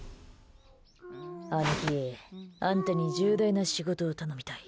姉貴、あんたに重大な仕事を頼みたい。